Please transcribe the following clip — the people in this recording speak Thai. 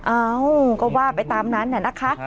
เอ้าก็ว่าไปตามนั้นน่ะนะคะ